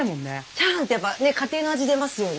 チャーハンって家庭の味出ますよね。